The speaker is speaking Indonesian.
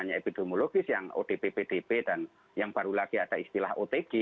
hanya epidemiologis yang odp pdp dan yang baru lagi ada istilah otg